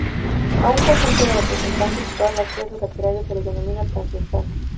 A un conjunto de representantes de todas las clases laterales se le denomina transversal.